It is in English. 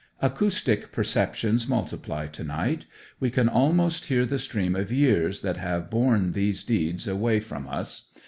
Acoustic perceptions multiply to night. We can almost hear the stream of years that have borne those deeds away from us.